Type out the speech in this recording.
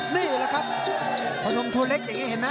นี่แหละครับขนหลวงทัวร์เล็กอย่างนี้เห็นมั้ย